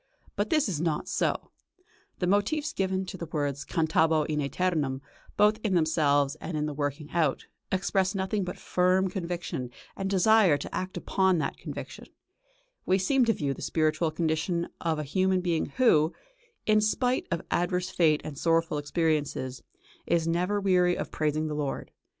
But this is not so. The motifs given to the words "cantabo in ætemum," both in themselves and in their working out, express nothing but firm conviction and desire to act upon that conviction; we seem to view the spiritual condition of a human being who, in spite of adverse fate and sorrowful experiences, is never weary of praising the Lord.